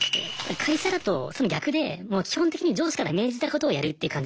会社だとその逆で基本的に上司から命じたことをやるって感じじゃないすか。